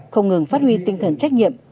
không ngừng phát huy tinh thần trách nhiệm